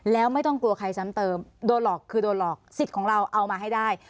แล้วไม่ต้องกลัวใครซ้ำเติมโดนหลอกคือโดนหลอกสิทธิ์ของเราเอามาให้ได้